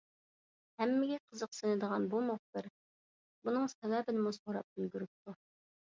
ھەممىگە قىزىقسىنىدىغان بۇ مۇخبىر بۇنىڭ سەۋەبىنىمۇ سوراپ ئۈلگۈرۈپتۇ.